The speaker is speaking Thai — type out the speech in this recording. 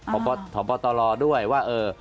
ผมก็ถอบตลอดด้วยว่าเออ